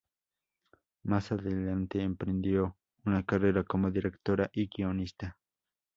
Más adelante emprendió una carrera como directora y guionista.